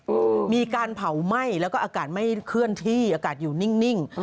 โอ้โหมีการเผาไหม้แล้วก็อากาศไม่เคลื่อนที่อากาศอยู่นิ่งนิ่ง